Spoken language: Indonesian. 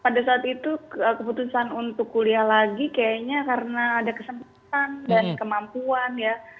pada saat itu keputusan untuk kuliah lagi kayaknya karena ada kesempatan dan kemampuan ya